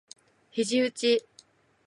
肘うち